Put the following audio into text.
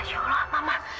masya allah mama